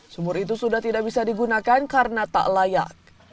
sumur itu sudah tidak bisa digunakan karena tak layak